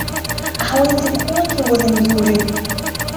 hawezi kuwa kiongozi mzuri.